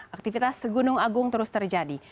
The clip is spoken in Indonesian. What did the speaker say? aktivitas gunung agung terus terjadi